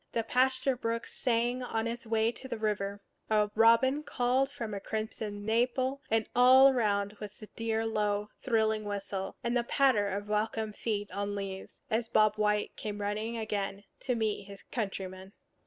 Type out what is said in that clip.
The pasture brook sang on its way to the river; a robin called from a crimson maple; and all around was the dear low, thrilling whistle, and the patter of welcome feet on leaves, as Bob White came running again to meet his countryman.